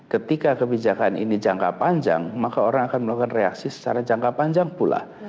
ketika kebijakan ini jangka panjang maka orang akan melakukan reaksi secara jangka panjang pula